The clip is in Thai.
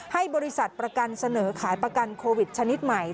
ให้บริษัทประกันเสนอขายประกันโควิดชนิดใหม่